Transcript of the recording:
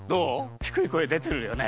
ひくい声でてるよね？